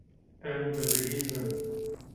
Em dibihîzin.